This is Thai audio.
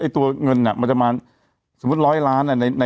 ตัวของเหมือนกัน